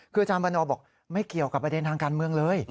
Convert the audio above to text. คืออาจารย์วันนอบอกไม่เกี่ยวกับประเด็นทางการเมืองเลย